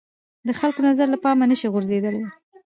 د خلکو نظر له پامه نه شي غورځېدلای